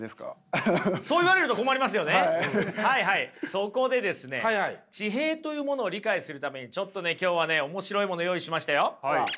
そこでですね地平というものを理解するためにちょっとね今日はね面白いもの用意しましたよ。